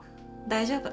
大丈夫。